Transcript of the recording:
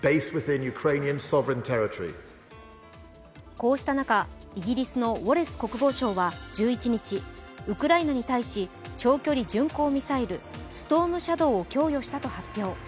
こうした中、イギリスのウォレス国防相は１１日、ウクライナに対し、長距離巡航ミサイルストーム・シャドウを供与したと発表。